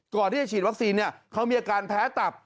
ก่อนที่จะฉีดวัคซีนเขามีอาการแพ้ตับ